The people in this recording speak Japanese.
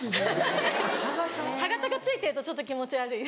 歯形がついてるとちょっと気持ち悪い。